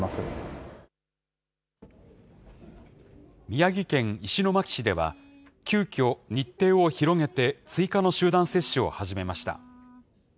宮城県石巻市では、急きょ、日程を広げて追加の集団接種を始めました。